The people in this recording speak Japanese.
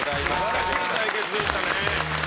素晴らしい対決でしたね。